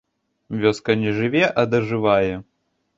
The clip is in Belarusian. Вёска не жыве, а дажывае.